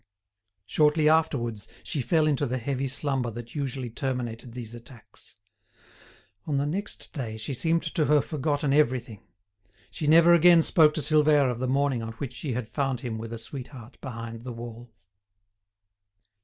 Shortly afterwards she fell into the heavy slumber that usually terminated these attacks. On the next day, she seemed to have forgotten everything. She never again spoke to Silvère of the morning on which she had found him with a sweetheart behind the wall.